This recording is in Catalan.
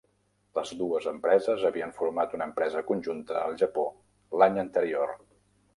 Les dues empreses havien format una empresa conjunta al Japó l'any anterior.